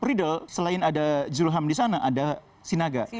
pertahanan indonesia selain ada zulham di sana ada sinaga